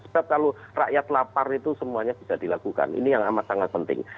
sebab kalau rakyat lapar itu semuanya bisa dilakukan ini yang sangat sangat penting